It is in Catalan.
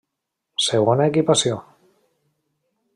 Segona Equipació: